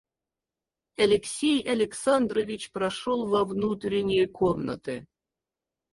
Алексей Александрович прошел во внутрение комнаты.